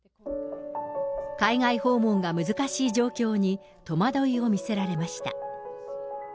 海外訪問が難しい状況に、戸惑いを見せられました。